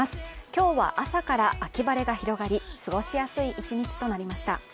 今日は朝から秋晴れが広がり、過ごしやすい一日となりました。